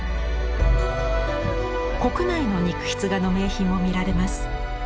国内の肉筆画の名品も見られます。